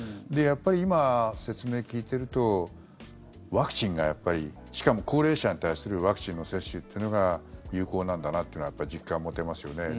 今、説明を聞いているとワクチンがやっぱりしかも高齢者に対するワクチンの接種というのが有効なんだなというのは実感持てますよね。